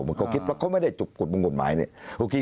มันก็คิดเพราะเขาไม่ได้จุกกฎมันกฎหมายเนี่ย